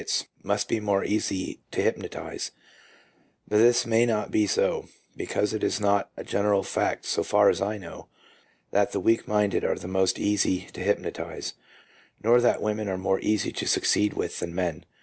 333 must be more easy to hypnotize; but this may not be so, because it is not a general fact, so far as I know, that the weak minded are the most easy to hypno tize, nor that women are more easy to succeed with than men."